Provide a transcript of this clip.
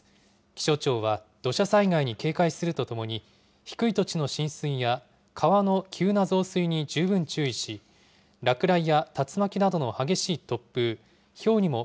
気象庁は、土砂災害に警戒するとともに、低い土地の浸水や川の急な増水に十分注意し、落雷や竜巻などの激しい突風、ひょうにも